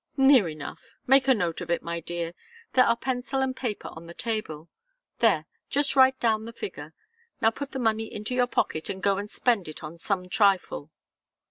"Near enough. Make a note of it, my dear. There are pencil and paper on the table. There just write down the figure. Now put the money into your pocket, and go and spend it on some trifle."